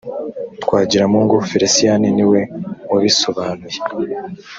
twagiramungu felicien niwe wabisobanuye